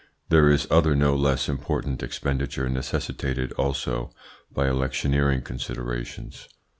There is other no less important expenditure necessitated also by electioneering considerations.